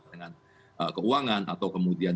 dengan keuangan atau kemudian